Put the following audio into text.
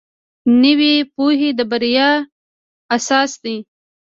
نوې پوهه د بریا اساس دی